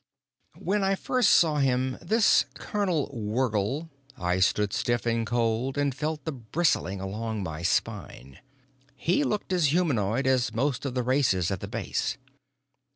When I first saw him, this Colonel Wergil, I stood stiff and cold and felt the bristling along my spine. He looked as humanoid as most of the races at the base.